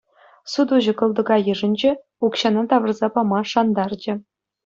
Сутуҫӑ кӑлтӑка йышӑнчӗ, укҫана тавӑрса пама шантарчӗ.